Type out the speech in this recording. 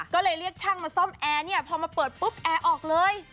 ก็เลยเรียกช่างมาซ่อมแอร์เนี่ยพอมาเปิดปุ๊บแอร์ออกเลย